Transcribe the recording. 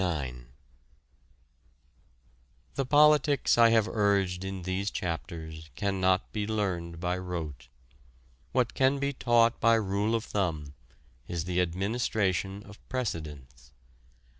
The politics I have urged in these chapters cannot be learned by rote. What can be taught by rule of thumb is the administration of precedents.